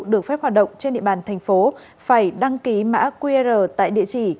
được phép hoạt động trên địa bàn thành phố phải đăng ký mã qr tại địa chỉ